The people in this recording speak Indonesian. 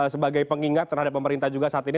sebagai pengingat terhadap pemerintah juga saat ini